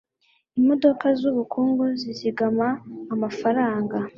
imodoka zubukungu zizigama amafaranga